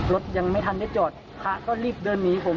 รถยังไม่ทันได้จอดพระก็รีบเดินหนีผม